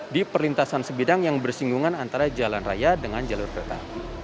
di perlintasan sebidang yang bersinggungan antara jalan raya dengan jalur kereta